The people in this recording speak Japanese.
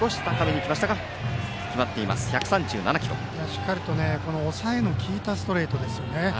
しっかりと抑えのきいたストレートです。